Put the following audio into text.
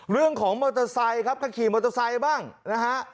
เรื่องของมอเตอร์ไซค์ครับก็ขี่มอเตอร์ไซค์บ้างนะฮะ